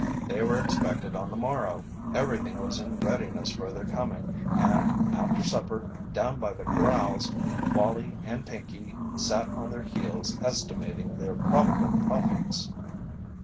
They were expected on the morrow, everything was in readiness for their coming, and, after supper, down by the corrals Wallie and Pinkey sat on their heels estimating their probable profits.